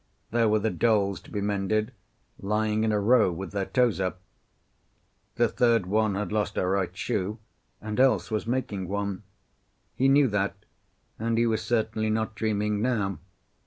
There were the dolls to be mended, lying in a row with their toes up. The third one had lost her right shoe, and Else was making one. He knew that, and he was certainly not dreaming now.